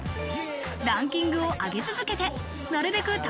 ランキングを上げ続けてなるべく